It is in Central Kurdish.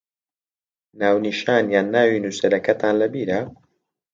ناونیشان یان ناوی نووسەرەکەتان لەبیرە؟